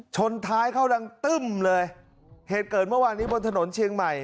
ชนท้ายเข้าดังตึ้มเลยเหตุเกิดเมื่อวานนี้บนถนนเชียงใหม่